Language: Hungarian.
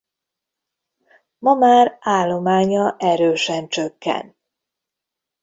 Ma már állománya erősen csökken.